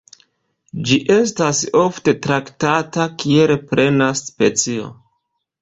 Ĝi estas ofte traktata kiel plena specio.